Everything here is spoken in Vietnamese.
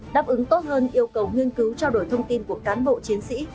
đáp ứng tốt hơn yêu cầu nghiên cứu trao đổi thông tin của cán bộ chiến sĩ